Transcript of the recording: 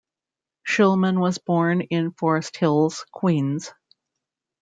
Schulman was born in Forest Hills, Queens.